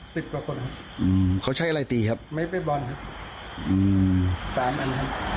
สิบกว่าคนครับอืมเขาใช้อะไรตีครับไม้ไฟบอลครับอืม